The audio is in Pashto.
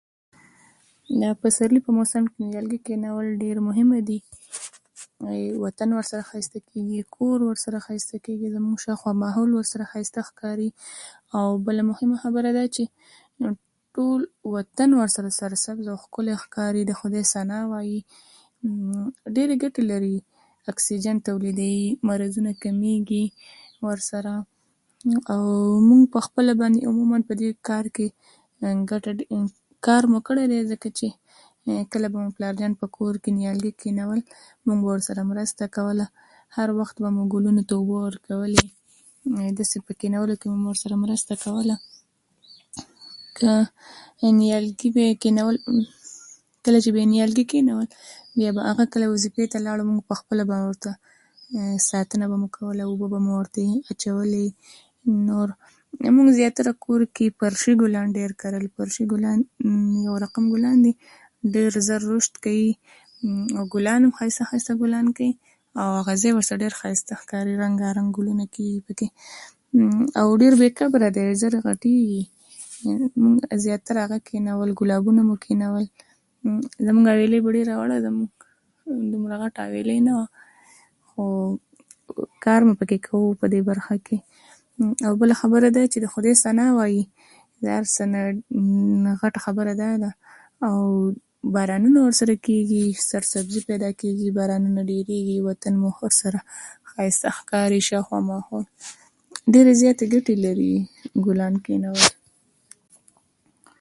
د مسلمان د حال پوښتنه کول ډير اجر لري